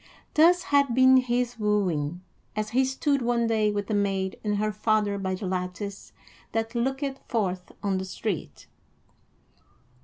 Thus had been his wooing, as he stood one day with the maid and her father by the lattice that looked forth on the street.